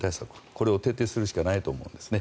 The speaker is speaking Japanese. これを徹底するしかないと思いますね。